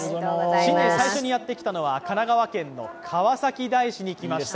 新年最初にやってきたのは神奈川県の川崎大師に来ました。